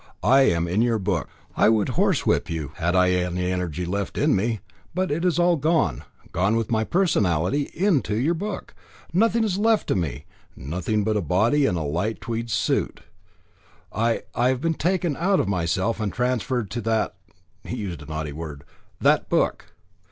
I am in your book. I would horsewhip you had I any energy left in me, but all is gone, gone with my personality into your book. Nothing is left of me nothing but a body and a light tweed suit. I I have been taken out of myself and transferred to that " he used a naughty word, "that book.